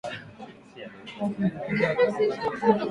Wanyama wengine wanaoathirika na ugonjwa wa majimoyo ni ngamia